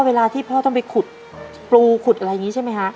เวลาที่พ่อต้องไปขุดปูขุดอะไรอย่างนี้ใช่ไหมคะ